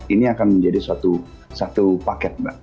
ini akan menjadi satu paket mbak